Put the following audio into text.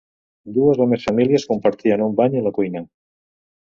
Dues o més famílies compartien un bany i la cuina.